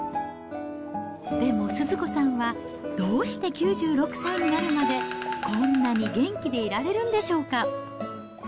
でも、スズ子さんはどうして９６歳になるまでこんなに元気でいられるんでしょうか。